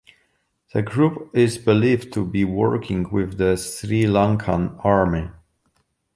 The group is believed to be working with the Sri Lankan army.